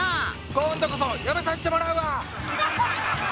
今度こそやめさしてもらうわ！